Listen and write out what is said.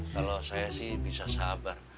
kalau saya sih bisa sabar